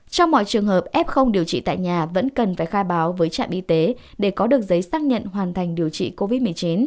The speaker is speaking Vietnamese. trong mọi trường hợp f điều trị tại nhà vẫn cần phải khai báo với trạm y tế để có được giấy xác nhận hoàn thành điều trị covid một mươi chín